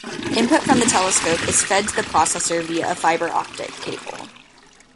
Input from the telescope is fed to the processor via a fiber optic cable.